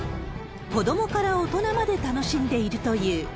子どもから大人まで楽しんでいるという。